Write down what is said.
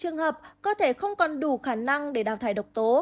trường hợp cơ thể không còn đủ khả năng để đào thải độc tố